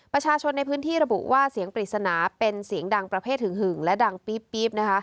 ประชาชนในพื้นที่ระบุว่าเสียงปริศนาเป็นเสียงดังประเภทหึงหึงและดังปี๊บนะคะ